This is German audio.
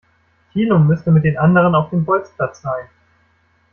Thilo müsste mit den anderen auf dem Bolzplatz sein.